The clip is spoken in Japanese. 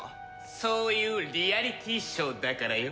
そういうリアリティーショーだからよ。